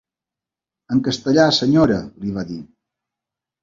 En castellà, senyora!, li va dir.